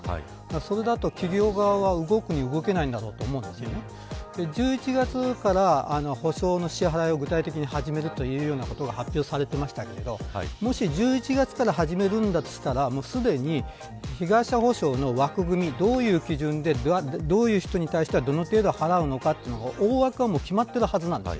それだと企業側は動くに動けないと思いますし１１月から補償の支払いを具体的に始めるということを発表していましたがもし１１月から始めるのであれば、すでに被害者補償の枠組みをどのような基準でどういう人に対してどの程度払うのかという大枠が決まっているはずなんです。